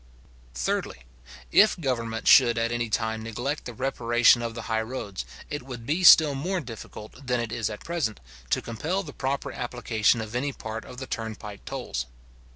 Thirdly, If government should at any time neglect the reparation of the high roads, it would be still more difficult, than it is at present, to compel the proper application of any part of the turnpike tolls.